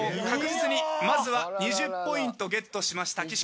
確実にまずは２０ポイントゲットしました。